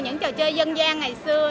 những trò chơi dân gian ngày xưa